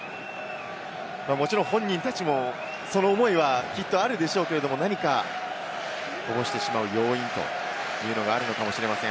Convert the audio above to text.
もちろん本人たちもその思いはきっとあるでしょうけれども、何かこぼしてしまう要因があるのかもしれません。